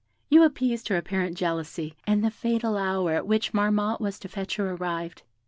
You appeased her apparent jealousy; and the fatal hour at which Marmotte was to fetch her arrived.